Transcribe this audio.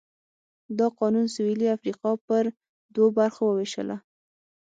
دا قانون سوېلي افریقا پر دوو برخو ووېشله.